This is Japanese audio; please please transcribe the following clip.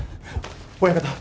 親方。